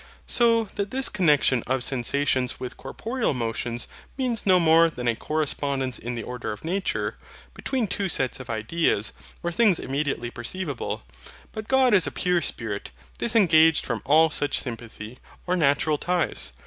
So that this connexion of sensations with corporeal motions means no more than a correspondence in the order of nature, between two sets of ideas, or things immediately perceivable. But God is a Pure Spirit, disengaged from all such sympathy, or natural ties.